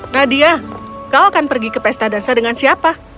nadia kau akan pergi ke pesta dansa dengan siapa